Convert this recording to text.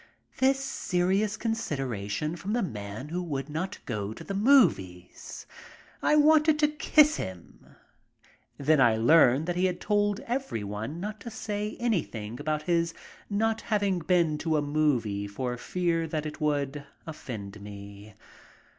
This serious consideration from the man who would not go to the movies. I wanted to kiss him. Then I learn that he had told everyone not to say anything about his not having been to a movie for fear that it would offend me.